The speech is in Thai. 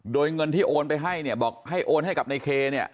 โดยเงินที่โอนไปให้เนี่ยบอกให้โอนให้กับในเคเนี่ย